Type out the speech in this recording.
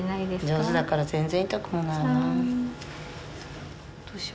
上手だから全然痛くもない。